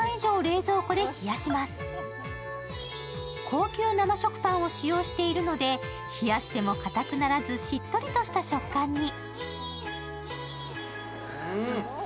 高級生食パンを使用しているので、冷やしてもかたくならずしっとりとした食感に。